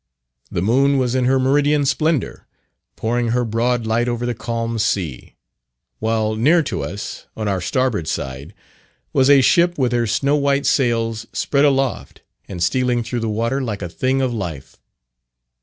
The moon was in her meridian splendour, pouring her broad light over the calm sea; while near to us, on our starboard side, was a ship with her snow white sails spread aloft, and stealing through the water like a thing of life.